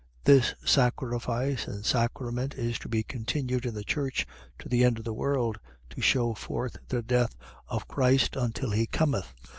. .This sacrifice and sacrament is to be continued in the church, to the end of the world, to shew forth the death of Christ, until he cometh.